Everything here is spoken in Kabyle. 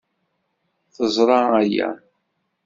Teẓra aya.